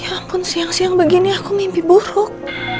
ya ampun siang siang begini aku mimpi buffuk